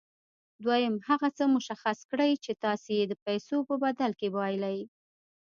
دويم هغه څه مشخص کړئ چې تاسې يې د پیسو په بدل کې بايلئ.